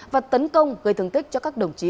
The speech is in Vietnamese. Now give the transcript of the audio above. và tấn công gây thương tích cho các đồng chí